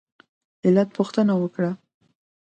علت پوښتنه وکړه.